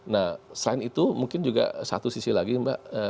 nah selain itu mungkin juga satu sisi lagi mbak